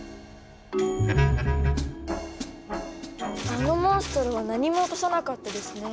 あのモンストロは何も落とさなかったですね。